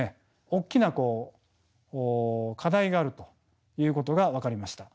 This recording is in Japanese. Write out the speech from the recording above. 大きな課題があるということが分かりました。